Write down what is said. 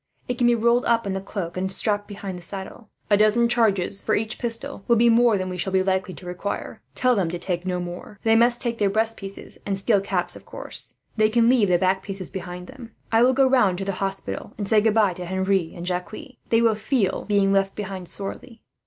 It can be rolled up in the cloak, and strapped behind the saddle. A dozen charges, for each pistol, will be more than we shall be likely to require. Tell them to take no more. They must take their breast pieces and steel caps, of course. They can leave the back pieces behind them. "I will go round to the hospital, and say goodbye to Henri and Jacques. They will feel being left behind, sorely."